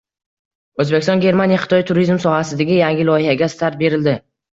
O‘zbekiston-Germaniya-Xitoy: turizm sohasidagi yangi loyihaga start berildi